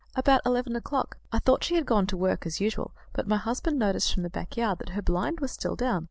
"About eleven o'clock. I thought she had gone to work as usual, but my husband noticed from the back yard that her blind was still down.